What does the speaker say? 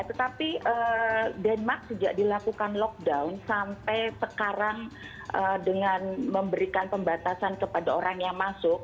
tetapi denmark sejak dilakukan lockdown sampai sekarang dengan memberikan pembatasan kepada orang yang masuk